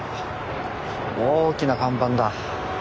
大きな看板だ。